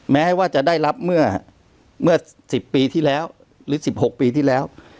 แม้ว่าจะได้รับเมื่อเมื่อสิบปีที่แล้วหรือสิบหกปีที่แล้ว